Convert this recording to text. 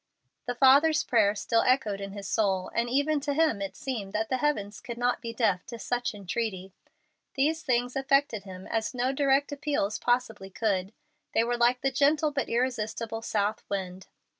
The father's prayer still echoed in his soul, and even to him it seemed that the heavens could not be deaf to such entreaty. These things affected him as no direct appeals possibly could. They were like the gentle but irresistible south wind.